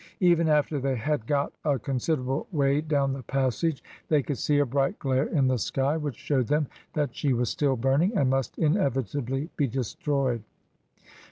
Even after they had got a considerable way down the passage they could see a bright glare in the sky, which showed them that she was still burning, and must inevitably be destroyed.